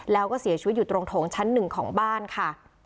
แล้วก็เสียชีวิตอยู่ตรงโถงชั้นหนึ่งของบ้านค่ะ